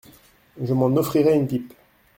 Je m’en offrirai une pipe.